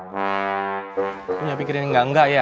kamu nyaping kirain enggak enggak ya